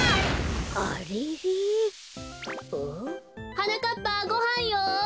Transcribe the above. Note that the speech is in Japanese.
はなかっぱごはんよ。